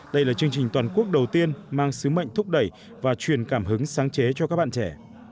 đây là chương trình toàn quốc đầu tiên mang sứ mệnh thúc đẩy và truyền cảm hứng sáng chế cho các bạn trẻ